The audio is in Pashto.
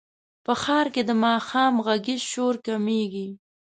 په ښار کې د ماښام غږیز شور کمېږي.